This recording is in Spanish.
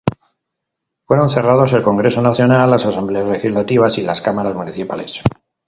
Fueron cerrados el Congreso Nacional, las asambleas legislativas y las cámaras municipales.